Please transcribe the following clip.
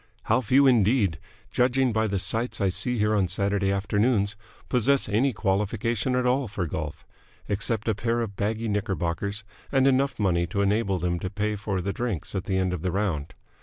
How few indeed, judging by the sights I see here on Saturday afternoons, possess any qualification at all for golf except a pair of baggy knickerbockers and enough money to enable them to pay for the drinks at the end of the round.